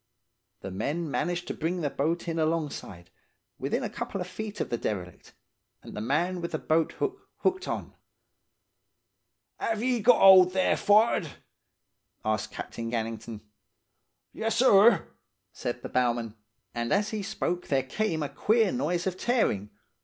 "The men managed to bring the boat in alongside, within a couple of feet of the derelict, and the man with the boat hook hooked on. ""Ave ye got 'old there, forrard?' asked Captain Gannington. "'Yessir!' said the bowman; and as he spoke there came a queer noise of tearing.